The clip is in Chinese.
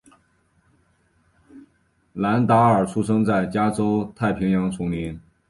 兰达尔出生在加州太平洋丛林。